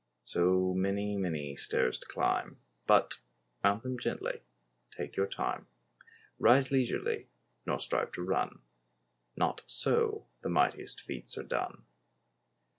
So many, many stairs to climb, But mount them gently—take your time; Rise leisurely, nor strive to run— Not so the mightiest feats are done.